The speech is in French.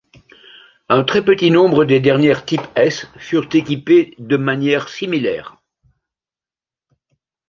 Un très petit nombre des dernières Type-S furent équipées de manière similaire.